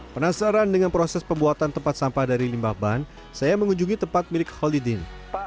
penasaran dengan proses pembuatan tempat sampah dari limbah ban saya mengunjungi tempat milik holidin